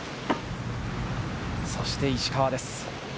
そして石川です。